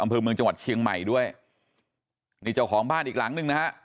อำเภอเมืองจังหวัดเชียงใหม่ด้วยนี่เจ้าของบ้านอีกหลังหนึ่งนะฮะ